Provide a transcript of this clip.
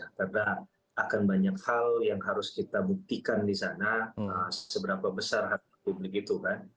karena akan banyak hal yang harus kita buktikan di sana seberapa besar harapan publik itu kan